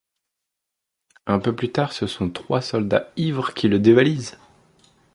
Un peu plus tard, ce sont trois soldats ivres qui le dévalisent.